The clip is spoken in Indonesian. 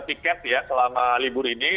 tiket ya selama libur ini